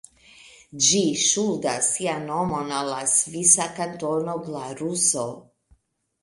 Ĝi ŝuldas sian nomon al la svisa kantono Glaruso.